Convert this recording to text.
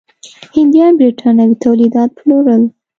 هندیان برېټانوي تولیدات پلورل.